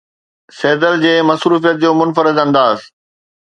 سيدل جي مصروفيت جو منفرد انداز